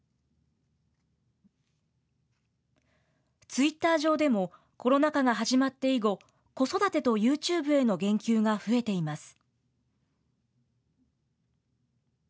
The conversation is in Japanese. ツイッター上でも、コロナ禍が始まって以後、子育てとユーチューブへの言及が増えています。